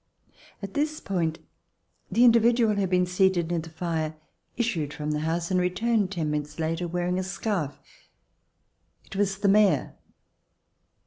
At this point the individual who had been seated near the fire issued from the house and returned ten minutes later wearing a scarf. It was the Mayor.